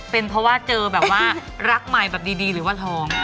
เป็นเพราะว่าเจอแบบว่ารักใหม่แบบดีหรือว่าท้อง